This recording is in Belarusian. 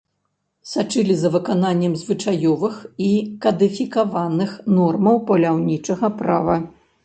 Сачылі за выкананнем звычаёвых і кадыфікаваных нормаў паляўнічага права.